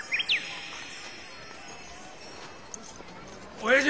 おやじ！